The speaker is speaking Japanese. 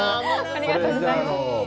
ありがとうございます。